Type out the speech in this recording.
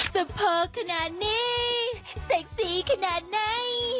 สุโภคขนาดนี้เซ็กซีขนาดนี้